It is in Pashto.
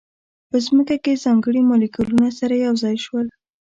په ځمکه کې ځانګړي مالیکولونه سره یو ځای شول.